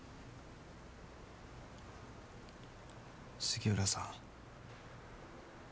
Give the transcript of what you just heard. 杉浦さん。